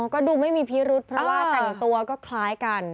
ก็ดูไม่มีพิรุษเพราะว่าแต่งตัวก็คล้ายกัน